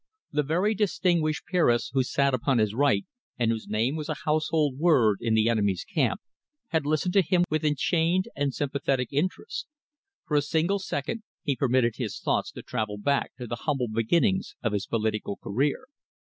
The very distinguished peeress who sat upon his right, and whose name was a household word in the enemy's camp, had listened to him with enchained and sympathetic interest. For a single second he permitted his thoughts to travel back to the humble beginnings of his political career.